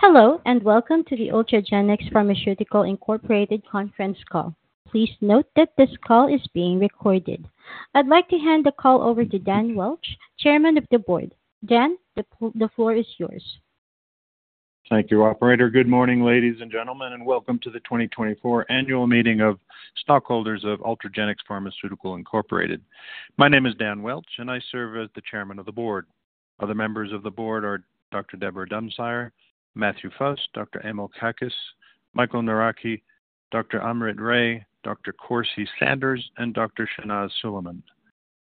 Hello, and welcome to the Ultragenyx Pharmaceutical Incorporated Conference Call. Please note that this call is being recorded. I'd like to hand the call over to Dan Welch, Chairman of the Board. Dan, the floor is yours. Thank you, Operator. Good morning, ladies and gentlemen, and welcome to the 2024 annual meeting of stockholders of Ultragenyx Pharmaceutical Incorporated. My name is Dan Welch, and I serve as the Chairman of the Board. Other members of the Board are Dr. Deborah Dunsire, Matthew Fust, Dr. Emil Kakkis, Michael Narachi, Dr. Amrit Ray, Dr. Corsee Sanders, and Dr. Shehnaaz Suliman.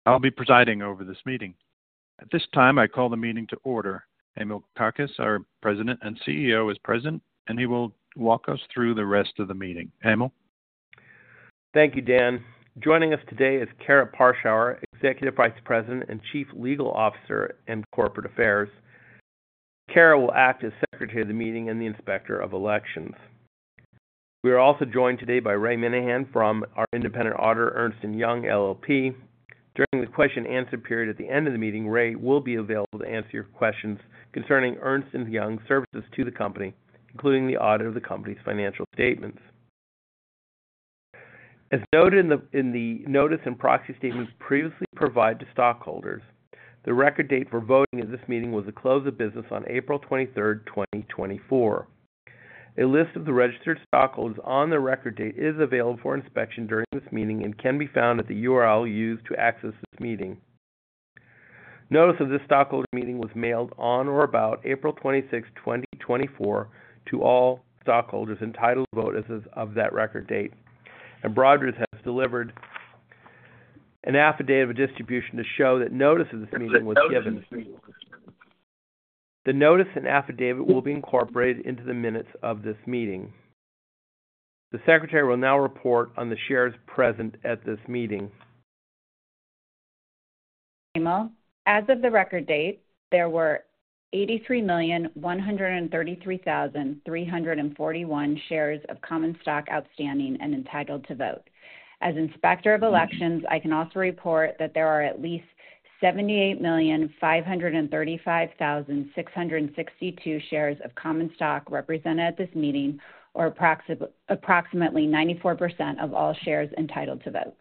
I'll be presiding over this meeting. At this time, I call the meeting to order. Emil Kakkis, our President and CEO, is present, and he will walk us through the rest of the meeting. Emil? Thank you, Dan. Joining us today is Karah Parschauer, Executive Vice President and Chief Legal Officer and Corporate Affairs. Karah will act as Secretary of the Meeting and the Inspector of Elections. We are also joined today by Ray Minehan from our independent auditor, Ernst & Young LLP. During the question-and-answer period at the end of the meeting, Ray will be available to answer your questions concerning Ernst & Young's services to the company, including the audit of the company's financial statements. As noted in the notice and proxy statements previously provided to stockholders, the record date for voting at this meeting was the close of business on April 23, 2024. A list of the registered stockholders on the record date is available for inspection during this meeting and can be found at the URL used to access this meeting. Notice of this stockholder meeting was mailed on or about April 26, 2024, to all stockholders entitled to vote as of that record date, and Broadridge has delivered an affidavit of distribution to show that notice of this meeting was given. The notice and affidavit will be incorporated into the minutes of this meeting. The Secretary will now report on the shares present at this meeting. Emil, as of the record date, there were 83,133,341 shares of common stock outstanding and entitled to vote. As Inspector of Elections, I can also report that there are at least 78,535,662 shares of common stock represented at this meeting, or approximately 94% of all shares entitled to vote.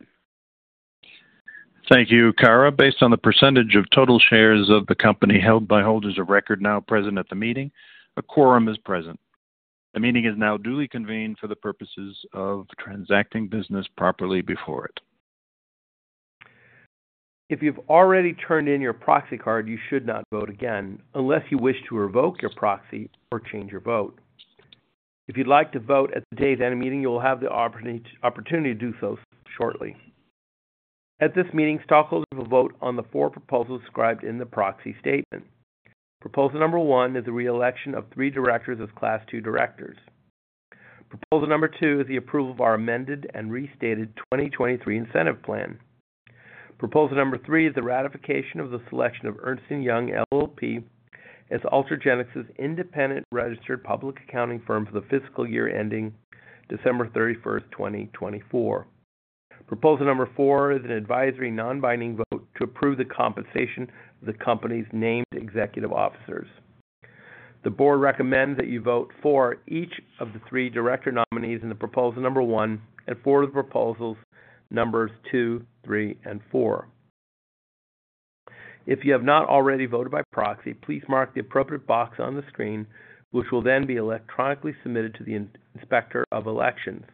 Thank you, Karah. Based on the percentage of total shares of the company held by holders of record now present at the meeting, a quorum is present. The meeting is now duly convened for the purposes of transacting business properly before it. If you've already turned in your Proxy Card, you should not vote again unless you wish to revoke your proxy or change your vote. If you'd like to vote at today's meeting, you will have the opportunity to do so shortly. At this meeting, stockholders will vote on the four proposals described in the Proxy Statement. Proposal number one is the reelection of three directors as Class II Directors. Proposal number two is the approval of our Amended and Restated 2023 Incentive Plan. Proposal number three is the ratification of the selection of Ernst & Young LLP, as Ultragenyx's independent registered public accounting firm for the fiscal year ending December 31, 2024. Proposal number four is an advisory non-binding vote to approve the compensation of the company's named executive officers. The Board recommends that you vote for each of the three director nominees in the proposal number one and for the proposals numbers two, three, and four. If you have not already voted by proxy, please mark the appropriate box on the screen, which will then be electronically submitted to the Inspector of Elections.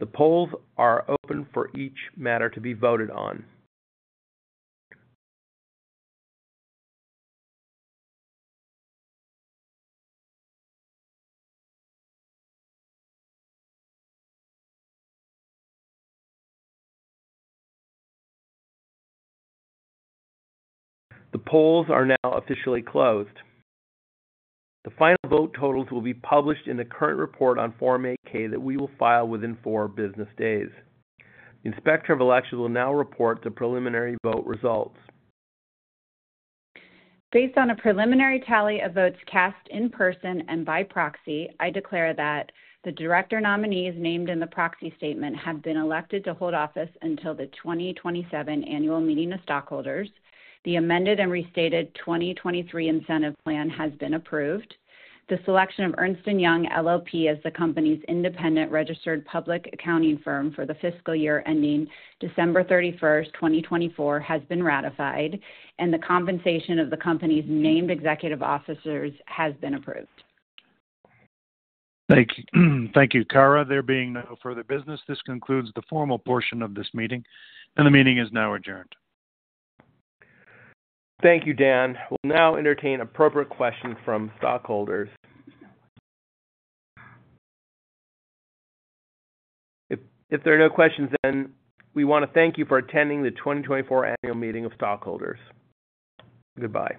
The polls are open for each matter to be voted on. The polls are now officially closed. The final vote totals will be published in the current report on Form 8-K that we will file within four business days. The Inspector of Elections will now report the preliminary vote results. Based on a preliminary tally of votes cast in person and by proxy, I declare that the director nominees named in the Proxy Statement have been elected to hold office until the 2027 Annual Meeting of Stockholders. The Amended and Restated 2023 Incentive Plan has been approved. The selection of Ernst & Young LLP, as the company's independent registered public accounting firm for the fiscal year ending December 31, 2024, has been ratified, and the compensation of the company's named executive officers has been approved. Thank you. Thank you, Karah. There being no further business, this concludes the formal portion of this meeting, and the meeting is now adjourned. Thank you, Dan. We'll now entertain appropriate questions from stockholders. If there are no questions, then we want to thank you for attending the 2024 annual meeting of stockholders. Goodbye.